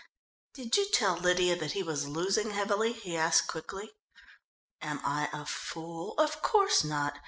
"Did you tell Lydia that he was losing heavily?" he asked quickly. "Am I a fool? Of course not!